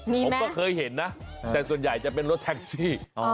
ผมก็เคยเห็นนะแต่ส่วนใหญ่จะเป็นรถแท็กซี่